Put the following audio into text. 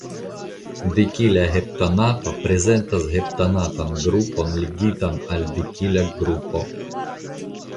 Dekila heptanato prezentas heptanatan grupon ligitan al dekila grupo.